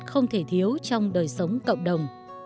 không thể thiếu trong đời sống cộng đồng